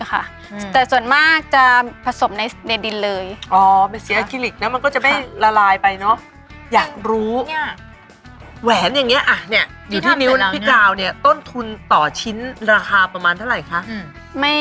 แหวนอย่างนี้อยู่ที่นิ้วพี่กาวเนี่ยต้นทุนต่อชิ้นราคาประมาณเท่าไหร่คะ